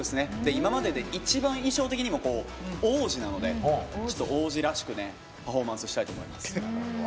今まで、衣装的にも王子なので、ちょっと王子らしくパフォーマンスしたいと思います。